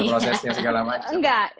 prosesnya segala macem enggak